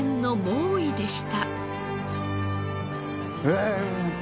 ええ！